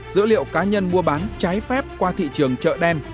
dữ liệu cá nhân mua bán trái phép qua thị trường chợ đen